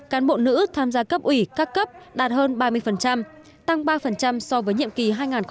cán bộ nữ tham gia cấp ủy các cấp đạt hơn ba mươi tăng ba so với nhiệm kỳ hai nghìn một mươi hai nghìn một mươi năm